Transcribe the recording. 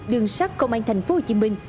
đường sát công an tp hcm